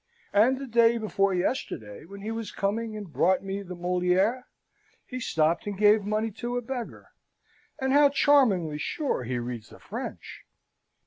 And the day before yesterday, when he was coming and brought me the Moliere, he stopped and gave money to a beggar, and how charmingly, sure, he reads the French!